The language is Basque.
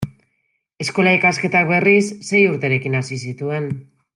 Eskola ikasketak, berriz, sei urterekin hasi zituen.